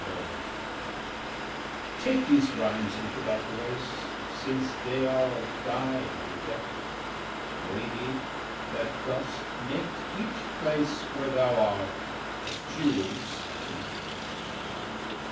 A DEDICATION Take these rhymes into thy grace, Since they are of thy begetting, Lady, that dost make each place Where thou art a jewel's setting.